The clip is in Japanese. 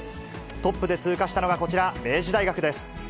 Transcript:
トップで通過したのがこちら、明治大学です。